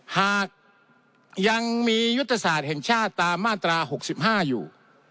หากยังมียุทธศาสตร์แห่งชาติตามมาตรา๖๕อยู่